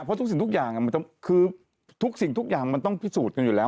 เพราะทุกสิ่งทุกอย่างมันต้องพิสูจน์กันอยู่แล้ว